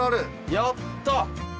やった！